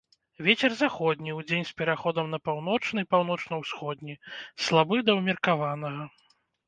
Вецер заходні, удзень з пераходам на паўночны, паўночна-ўсходні, слабы да ўмеркаванага.